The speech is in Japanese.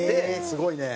すごいね。